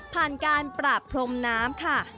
ผ่านการปราบพรมน้ำค่ะ